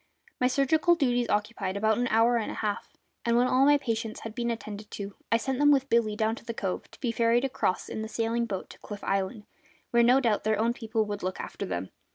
My surgical duties occupied about an hour and a half; and when all my patients had been attended to I sent them with Billy down to the cove, to be ferried across in the sailing boat to Cliff Island, where no doubt their own people would look after them.